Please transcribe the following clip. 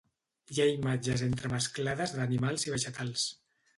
Hi ha imatges entremesclades d'animals i vegetals.